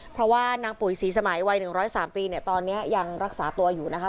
เพราะว่านางปุ๋ยศรีสมัยวัย๑๐๓ปีเนี่ยตอนนี้ยังรักษาตัวอยู่นะคะ